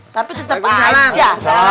tapi tetap aja